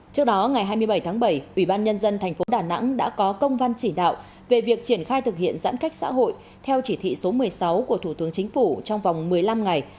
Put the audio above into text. trước đó ngày hai mươi bảy tháng bảy ubnd tp đà nẵng đã có công văn chỉ đạo về việc triển khai thực hiện giãn cách xã hội theo chỉ thị số một mươi sáu của thủ tướng chính phủ trong vòng một mươi năm ngày